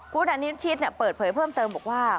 คุณอนิชิตเปิดเผยเพิ่มเติมบอกว่า